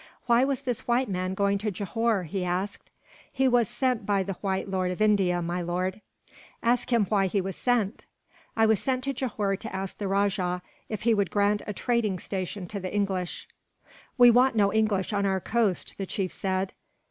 "Why was this white man going to Johore?" he asked. "He was sent by the white lord of India, my lord." "Ask him why he was sent?" "I was sent to Johore to ask the rajah if he would grant a trading station to the English." "We want no English on our coast," the chief said.